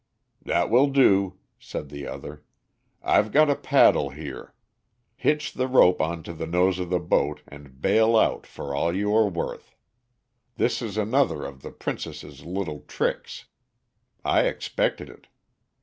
"That will do," said the other. "I've got a paddle here. Hitch the rope on to the nose of the boat and bail out for all you are worth. This is another of the princess's little tricks. I expected it.